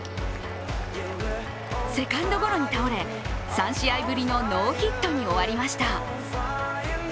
セカンドゴロに倒れ、３試合ぶりのノーヒットに終わりました。